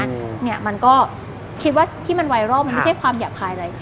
เนี่ยมันก็คิดว่าที่มันไวรัลมันไม่ใช่ความหยาบคายอะไร